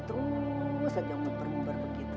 terus aja ngeper ngeper begitu